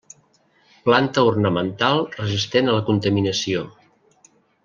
Planta ornamental resistent a la contaminació.